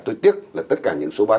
tôi tiếc là tất cả những số báo